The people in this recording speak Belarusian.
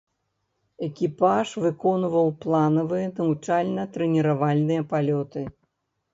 Экіпаж выконваў планавыя навучальна-трэніравальныя палёты.